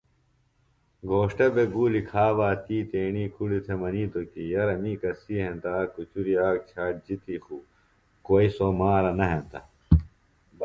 گھوݜٹہ بےۡ گولیۡ کھا بہ تی تیݨی کُڑی تھےۡ منِیتوۡ کی یرہ می کسی ہینتہ آک کُچُری آک جھاٹ جِتیۡ خوۡ کوئیۡ سوۡ مارہ نہ ہینتہ